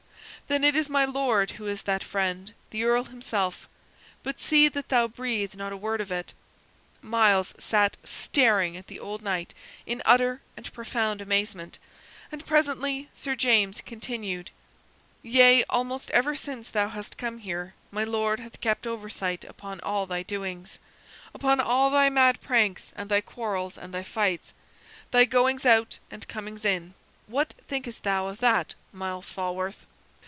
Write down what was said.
"Then it is my Lord who is that friend the Earl himself; but see that thou breathe not a word of it." Myles sat staring at the old knight in utter and profound amazement, and presently Sir James continued: "Yea, almost ever since thou hast come here my Lord hath kept oversight upon all thy doings, upon all thy mad pranks and thy quarrels and thy fights, thy goings out and comings in. What thinkest thou of that, Myles Falworth?"